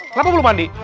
kenapa belum mandi